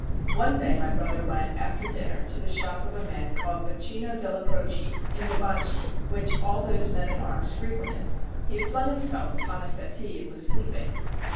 One day my brother went after dinner to the shop of a man called Baccino della Croce, in the Banchi, which all those men at arms frequented. He had flung himself upon a settee and was sleeping.